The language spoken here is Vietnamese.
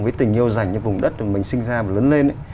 với tình yêu dành cho vùng đất mà mình sinh ra và lớn lên